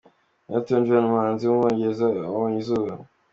Elton John, umuhanzi w’umwongereza yabonye izuba.